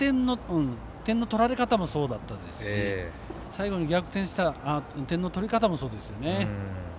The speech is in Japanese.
点の取られ方もそうでしたし最後の逆転した点の取り方もそうですよね。